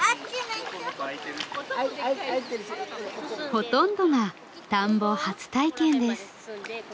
ほとんどが田んぼ初体験です。